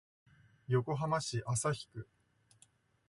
横浜市旭区